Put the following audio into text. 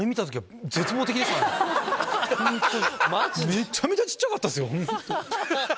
めちゃめちゃ小っちゃかったですよ。